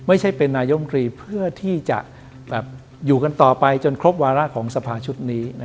ไม่ใช่เป็นนายมตรีเพื่อที่จะอยู่กันต่อไปจนครบวาระของสภาชุดนี้